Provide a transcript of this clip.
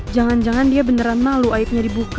jangan jangan dia beneran malu aibnya dibuka